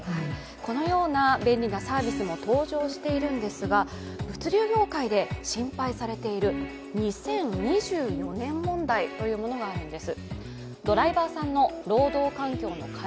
このような便利なサービスも登場しているんですが物流業界で心配されている２０２４年問題があるんです。